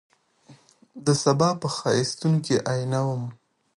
دسبا په ښایستون کي آئینه وم